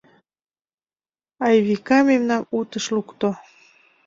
Айвика мемнам утыш лукто.